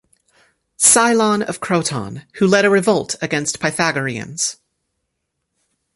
Cylon of Croton, who led a revolt against the Pythagoreans.